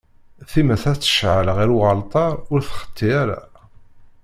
Times ad tecɛel ɣef uɛalṭar, ur txetti ara.